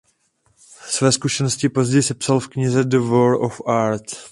Své zkušenosti později sepsal v knize „The War of Art“.